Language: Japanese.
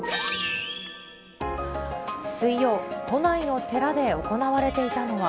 水曜、都内の寺で行われていたのは。